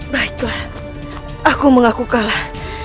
baiklah aku mengaku kalah